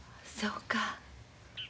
そうか。